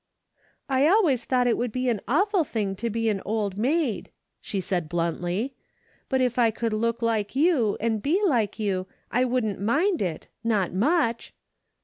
" I always thought it would be an awful thing to be an old maid," she said, bluntly, " but if I could look like you, and be like you, I would n't mind it — not much